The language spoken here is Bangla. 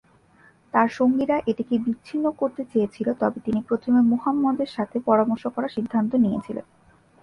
তার সঙ্গীরা এটিকে বিচ্ছিন্ন করতে চেয়েছিল, তবে তিনি প্রথমে মুহাম্মদের সাথে পরামর্শ করার সিদ্ধান্ত নিয়েছিলেন।